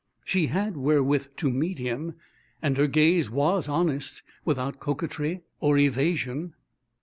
She had wherewith to meet him, and her gaze was honest, without coquetry or evasion.